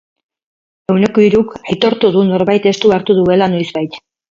Ehuneko hiruk aitortu du norbait estu hartu duela noizbait.